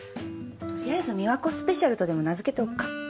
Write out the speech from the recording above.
とりあえず「美和子スペシャル」とでも名づけておくか。